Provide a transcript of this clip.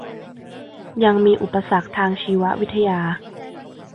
ยังมีอุปสรรคทางชีววิทยา